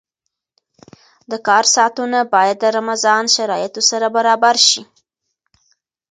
د کار ساعتونه باید د رمضان شرایطو سره برابر شي.